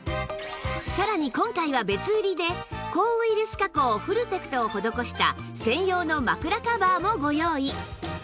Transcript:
さらに今回は別売で抗ウイルス加工フルテクトを施した専用の枕カバーもご用意